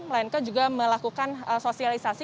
melainkan juga melakukan sosialisasi